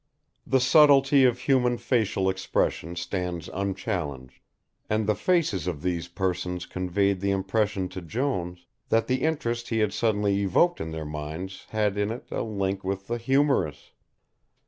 The subtlety of human facial expression stands unchallenged, and the faces of these persons conveyed the impression to Jones that the interest he had suddenly evoked in their minds had in it a link with the humorous.